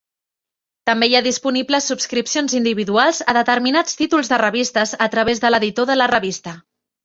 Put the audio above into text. També hi ha disponibles subscripcions individuals a determinats títols de revistes a través de l'editor de la revista.